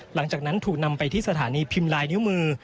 หลังจากนั้นถูกนำไปที่สถานีพิมพ์ลายนิ้วมือ